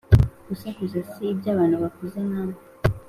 Gusakuza si iby’abantu bakuze nkamwe